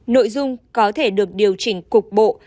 nội dung có thể được điều chỉnh cục bộ